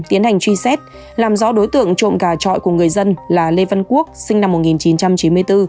tiến hành truy xét làm rõ đối tượng trộm gà trọi của người dân là lê văn quốc sinh năm một nghìn chín trăm chín mươi bốn